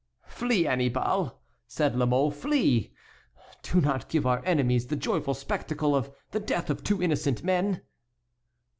"Flee, Annibal," said La Mole, "flee; do not give our enemies the joyful spectacle of the death of two innocent men."